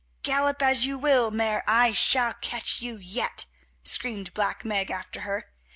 "Gallop as you will, Mare, I shall catch you yet," screamed Black Meg after her.